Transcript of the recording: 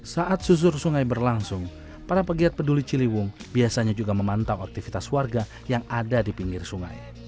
saat susur sungai berlangsung para pegiat peduli ciliwung biasanya juga memantau aktivitas warga yang ada di pinggir sungai